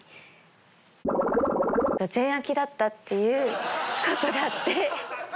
だったっていうことがあって。